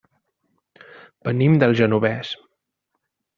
Venim del Genovés.